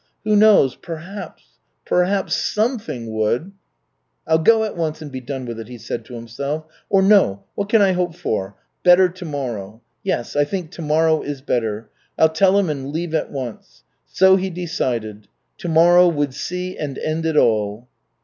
Who knows, perhaps, perhaps, something would "I'll go at once and be done with it," he said to himself. "Or no! What can I hope for? Better tomorrow. Yes, I think tomorrow is better. I'll tell him and leave at once." So he decided. Tomorrow would see and end it all.